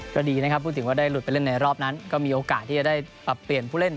ก็ดีนะครับพูดถึงว่าได้หลุดไปเล่นในรอบนั้นก็มีโอกาสที่จะได้ปรับเปลี่ยนผู้เล่น